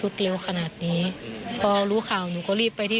ที่ตรงนี้